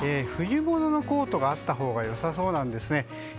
冬物のコートがあったほうが良さそうなんですね。